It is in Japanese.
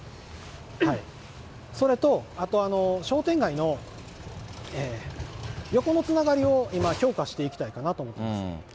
それとあと商店街の横のつながりを今、強化していきたいかなと思ってます。